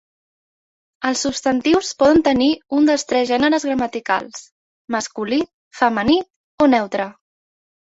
Els substantius poden tenir un dels tres gèneres gramaticals: masculí, femení o neutre.